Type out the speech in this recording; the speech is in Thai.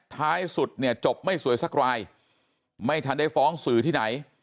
ท้ายสุดเนี่ยจบไม่สวยสักรายไม่ทันได้ฟ้องสื่อที่ไหน